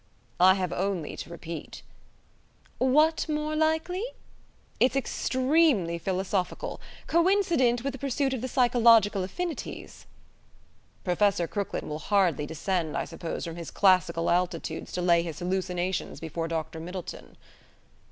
"I have only to repeat. .." "'What more likely?' It's extremely philosophical. Coincident with a pursuit of the psychological affinities." "Professor Crooklyn will hardly descend, I suppose, from his classical altitudes to lay his hallucinations before Dr. Middleton?"